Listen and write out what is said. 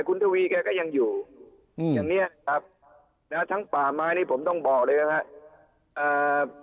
แต่คุณธุวีแกก็ยังอยู่อย่างเนี่ยครับแล้วทั้งป่าไม้นี่ผมต้องบอกเลยครับครับ